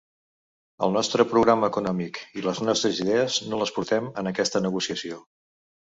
El nostre programa econòmic i les nostres idees no les portem en aquesta negociació.